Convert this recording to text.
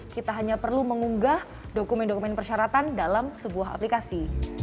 kita hanya perlu mengunggah dokumen dokumen persyaratan dalam sebuah aplikasi